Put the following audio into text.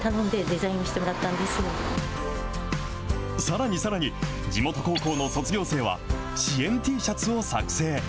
さらにさらに、地元高校の卒業生は、支援Ｔシャツを作成。